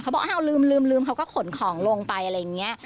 บอกอ้าวลืมเขาก็ขนของลงไปอะไรอย่างนี้